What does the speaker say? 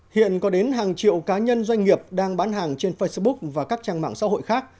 hiện có đến hàng triệu cá nhân doanh nghiệp đang bán hàng trên facebook và các trang mạng xã hội khác